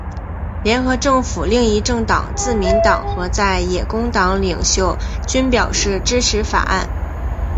联合政府另一政党自民党和在野工党领袖均表示支持法案。